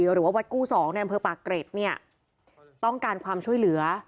หรือว่าวัดกู้สองในอำเภอปากเกร็ดเนี่ยต้องการความช่วยเหลือ